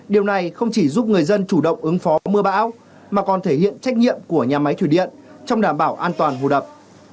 điều này không chỉ giúp người dân chủ động ứng phó mưa bão mà còn thể hiện trách nhiệm của nhà máy thủy điện trong đảm bảo an toàn hồ đập